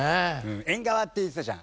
えんがわって言ってたじゃん。